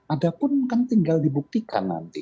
ada pun kan tinggal dibuktikan nanti